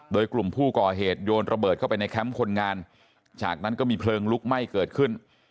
โดยกลุ่มผู้ก่อเหตุโยนระเบิดเข้าไปในแคมป์คนงานจากนั้นก็มีเพลิงลุกไหม้เกิดขึ้น